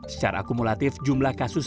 secara akumulatif jumlah kasus